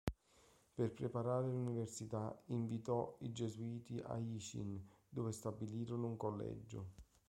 Per preparare l'università invitò i gesuiti a Jičín, dove stabilirono un collegio.